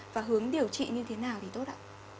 và hướng điều trị như thế nào thì tốt ạ